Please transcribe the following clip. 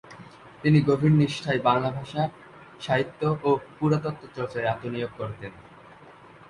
তিনি গভীর নিষ্ঠায় বাংলাভাষা, সাহিত্য ও পুরাতত্ত্বচর্চায় আত্মানিয়োগ করতেন।